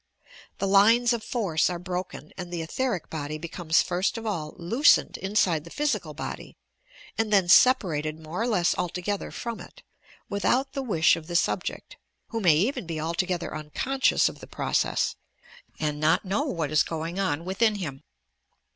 The lines of force are broken, and the etheric body becomes first of all "loosened" inside the physical body, and then separated more or less altogether from it, without the wish of the subject, who may even be altogether unconscious of the proeeffi, and not know what is going on within him.